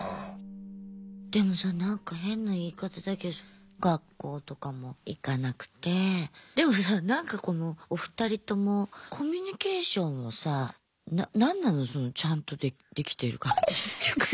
でもさなんか変な言い方だけど学校とかも行かなくてでもさなんかこのお二人ともコミュニケーションをさな何なのそのちゃんとできてる感じっていうか。